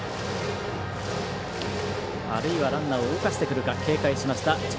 あるいはランナーを動かすか警戒しました智弁